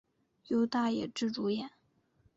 由大野智主演。